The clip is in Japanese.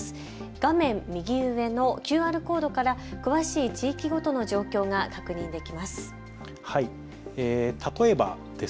画面右上のＱＲコードから詳しい地域ごとの状況が確認できます。